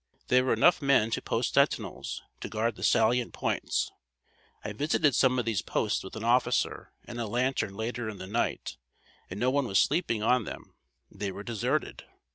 There were enough men to post sentinels, to guard the salient points. I visited some of these posts with an officer and a lantern later in the night, and no one was sleeping on them; they were deserted.